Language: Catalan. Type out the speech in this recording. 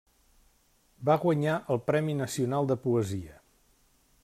Va guanyar el Premi Nacional de Poesia.